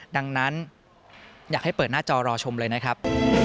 ดังนั้นอยากให้เปิดหน้าจอรอชมเลยนะครับ